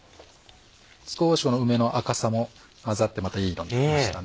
少しこの梅の赤さも混ざってまたいい色になりましたね。